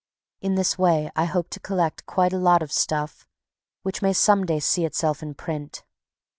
In this way I hope to collect quite a lot of stuff which may some day see itself in print.